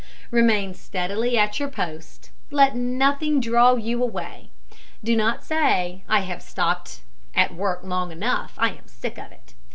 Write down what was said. Remain steadily at your post; let nothing draw you away. Do not say, I have stopped at work long enough, I am sick of it.